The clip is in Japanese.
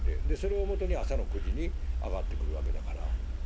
でそれをもとに朝の９時に上がってくるわけだから。